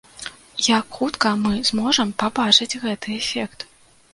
Як хутка мы зможам пабачыць гэты эфект?